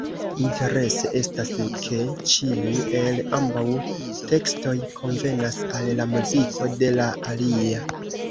Interese estas, ke ĉiu el ambaŭ tekstoj konvenas al la muziko de la alia.